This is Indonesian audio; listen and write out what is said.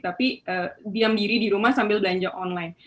tapi diam diri di rumah sambil belanja online